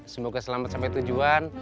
semoga selamat sampai tujuan